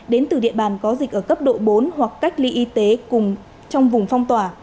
đến từ địa bàn có dịch ở cấp độ bốn hoặc cách ly y tế cùng trong vùng phong tỏa